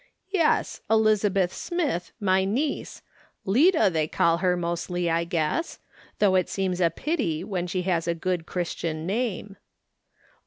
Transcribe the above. " Yes, Elizabeth Smith, my niece ; Lida, they call her mostly, I guess ; though it seems a pity, when she has a good Christian name."